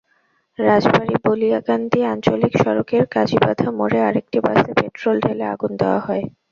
রাজবাড়ী-বালিয়াকান্দি আঞ্চলিক সড়কের কাজীবাধা মোড়ে আরেকটি বাসে পেট্রল ঢেলে আগুন দেওয়া হয়।